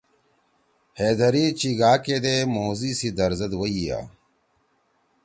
حیدری چیِگا کیدے موزی سی درزید وَئیا